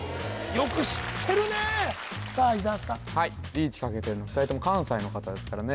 よく知ってるねさあ伊沢さんはいリーチかけてるの２人とも関西の方ですからね